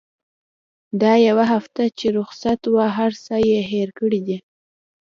دا يوه هفته چې رخصت وه هرڅه يې هېر کړي دي.